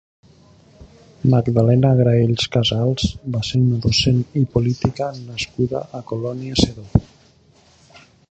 Magdalena Graells Casals va ser una docent i política nascuda a Colònia Sedó.